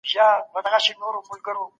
د پښو نوکان پر وخت پرې کړه